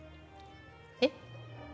えっ？